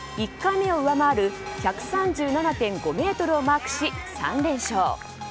１回目を上回る１３７．５ｍをマークし３連勝。